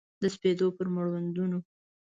د سپېدو پر مړوندونو